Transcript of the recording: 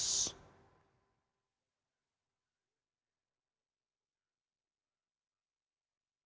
ketika di dalam menu tersebut terdiri dari nugget ayam kentang goreng minuman dan juga dua jenis saus